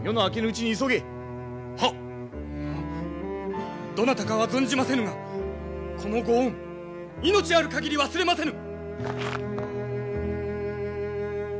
ああどなたかは存じませぬがこのご恩命ある限り忘れませぬ！